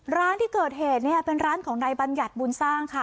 ร้านที่เกิดเหตุเนี่ยเป็นร้านของนายบัญญัติบุญสร้างค่ะ